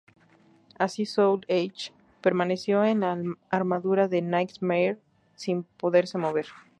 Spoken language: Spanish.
Así Soul Edge permaneció en la armadura de Nightmare sin poderse mover.